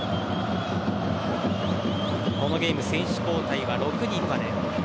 このゲーム選手交代は６人まで。